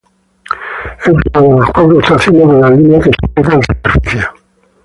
Es una de las cuatro estaciones de la línea que se encuentra en superficie.